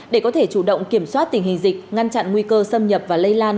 để có thể chủ động kiểm soát tình hình dịch ngăn chặn nguy cơ xâm nhập và lây lan